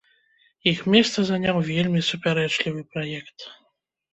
Іх месца заняў вельмі супярэчлівы праект.